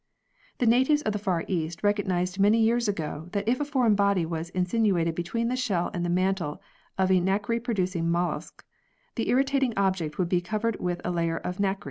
The natives of the far East recognised many years ago that if a foreign body was insinuated between the shell and the mantle of nacre producing mol luscs, the irritating object would be covered with a layer of nacre.